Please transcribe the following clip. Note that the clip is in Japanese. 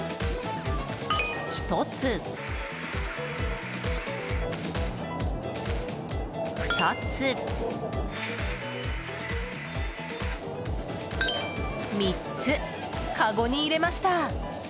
１つ、２つ、３つかごに入れました。